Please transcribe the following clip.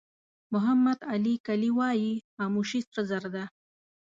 محمد علي کلي وایي خاموشي سره زر ده.